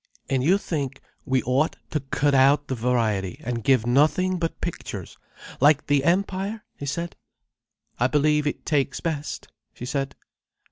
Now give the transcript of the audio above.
"And you think we ought to cut out the variety, and give nothing but pictures, like the Empire?" he said. "I believe it takes best," she said.